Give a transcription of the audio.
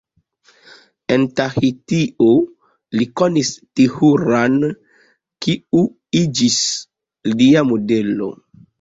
En Tahitio, li konis Tehura-n, kiu iĝis lia modelo.